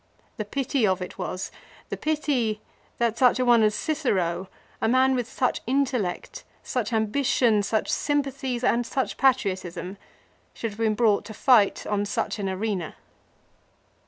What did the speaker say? The pity of it was, the pity, that such a one as Cicero, a man with such intellect, such ambition, such sympathies, and such patriotism, should have been brought to fight on such an arena.